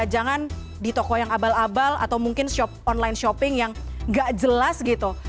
jangan di toko yang abal abal atau mungkin online shopping yang gak jelas gitu